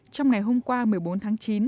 trong ngày hôm qua một mươi bốn tháng chín